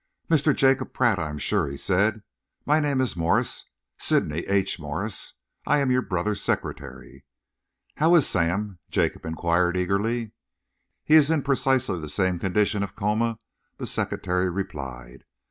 "Mr. Jacob Pratt, I am sure?" he said. "My name is Morse Sydney H. Morse. I am your brother's secretary." "How is Sam?" Jacob enquired eagerly. "He is in precisely the same condition of coma," the secretary replied.